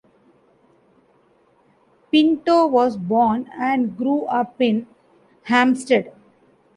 Pinto was born and grew up in Hampstead.